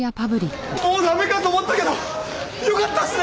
もう駄目かと思ったけどよかったっすね！